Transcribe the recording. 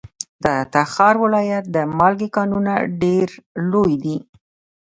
د تخار ولایت د مالګې کانونه ډیر لوی دي.